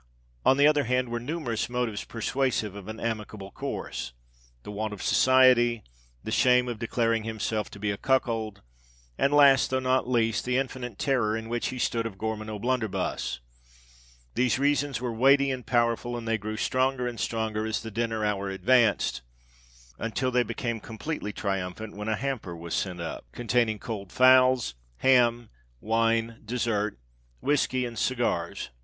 On the other hand were numerous motives persuasive of an amicable course,—the want of society, the shame of declaring himself to be a cuckold—and last, though not least, the infinite terror in which he stood of Gorman O'Blunderbuss. These reasons were weighty and powerful; and they grew stronger and stronger as the dinner hour advanced,—until they became completely triumphant when a hamper was sent up, containing cold fowls, ham, wine, dessert, whiskey, and cigars.